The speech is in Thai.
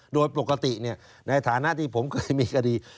โดยปกติในฐานะที่ผมเคยมีคดี